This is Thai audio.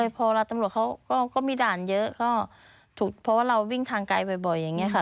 พอตำรวจเขาก็มีด่านเยอะก็ถูกเพราะว่าเราวิ่งทางไกลบ่อยอย่างนี้ค่ะ